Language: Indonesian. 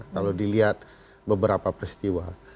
kalau dilihat beberapa peristiwa